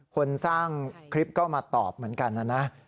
คนสร้างคลิปก็มาตอบเหมือนกันนะนะ